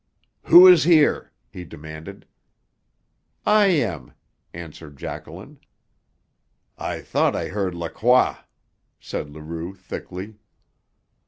"Who is here?" he demanded. "I am," answered Jacqueline. "I thought I heard Lacroix," said Leroux thickly.